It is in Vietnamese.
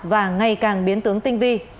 và ngày càng biến tướng tinh vi